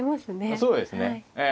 そうですねええ。